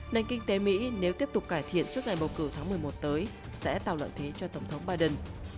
nền kinh tế mỹ nếu tiếp tục cải thiện trước ngày bầu cử tháng một mươi một tới sẽ tạo lợi thế cho tổng thống biden